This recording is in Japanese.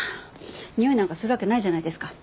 においなんかするわけないじゃないですか。